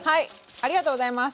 ありがとうございます。